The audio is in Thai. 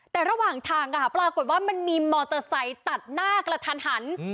แต่ระหว่างทางปรากฏว่ามันมีมอเตอร์ไซค์ตัดหน้ากระทันหัน